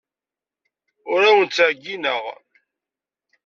Ur awent-ttɛeyyineɣ.